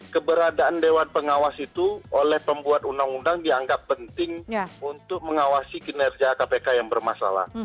keberadaan dewan pengawas itu oleh pembuat undang undang dianggap penting untuk mengawasi kinerja kpk yang bermasalah